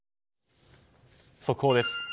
速報です。